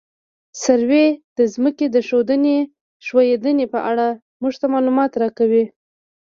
سروې د ځمکې د ښوېدنې په اړه موږ ته معلومات راکوي